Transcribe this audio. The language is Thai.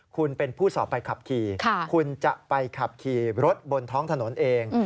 คุณเป็นผู้สอบใบขับขี่คุณจะไปขับขี่รถบนท้องถนนเอง